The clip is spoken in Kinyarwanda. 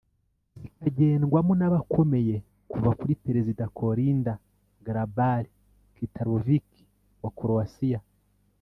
zikagendwamo n’abakomeye kuva kuri Perezida Kolinda Grabar-Kitarović wa Croatia